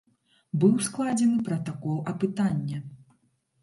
Быў складзены пратакол апытання.